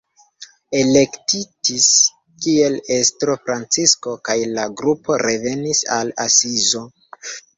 Elektitis kiel estro Francisko kaj la grupo revenis al Asizo.